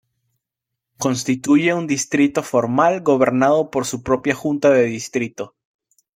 Constituye un distrito formal gobernado por su propia junta de distrito.